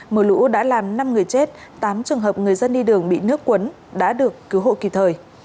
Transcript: mưa lũ đã làm năm người chết tám trường hợp người dân đi đường bị nước cuốn đã được cứu hộ kịp thời